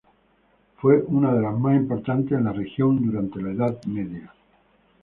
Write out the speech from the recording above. Fue una de las más importantes en la región durante la Edad Media.